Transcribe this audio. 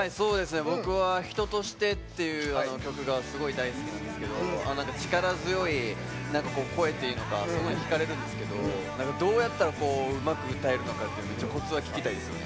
僕は「人として」っていう曲がすごい大好きなんですけど力強い声っていうのがすごい引かれるんですけどどうやったらうまく歌えるのかってコツが聞きたいですよね。